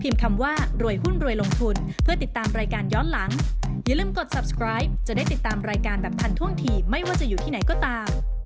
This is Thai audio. ไม่ว่าจะอยู่ที่ไหนก็ตาม